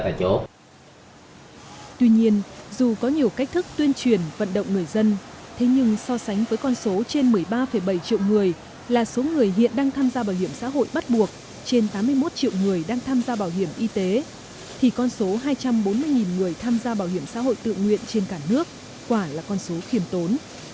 tuy nhiên dù có nhiều cách thức tuyên truyền vận động người dân thế nhưng so sánh với con số trên một mươi ba bảy triệu người là số người hiện đang tham gia bảo hiểm xã hội bắt buộc trên tám mươi một triệu người đang tham gia bảo hiểm y tế thì con số hai trăm bốn mươi người tham gia bảo hiểm xã hội tự nguyện trên cả nước quả là con số khiềm tốn